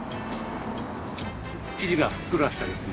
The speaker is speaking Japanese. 生地がふっくらしたですね